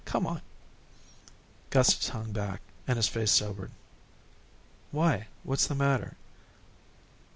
Come on." Gustus hung back, and his face sobered. "Why, what's the matter?"